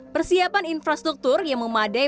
persiapan infrastruktur yang memadai